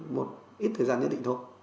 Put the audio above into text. một ít thời gian nhất định thôi